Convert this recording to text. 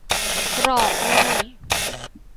กรอกง่าย